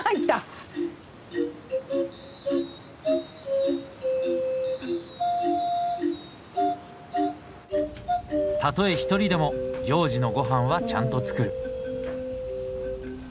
たとえ一人でも行事のごはんはちゃんと作る。